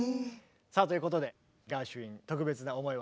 さあということでガーシュウィン特別な思い